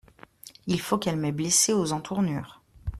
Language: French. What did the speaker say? Il faut qu’elles m’aient blessé aux entournures.